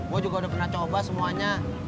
gue juga udah pernah coba semuanya